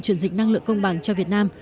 chuyển dịch năng lượng công bằng cho việt nam